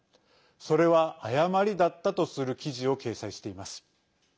それは、誤りだったとする記事を掲載しています。